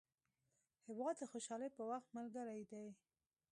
هېواد د خوشحالۍ په وخت ملګری دی.